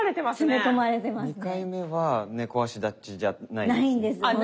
２回目は猫足立ちじゃないですね。